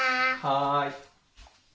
はい。